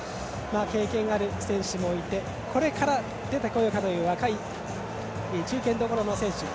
経験がある選手もいてこれから出てこようかという若い、中堅どころの選手も。